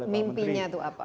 mimpinya itu apa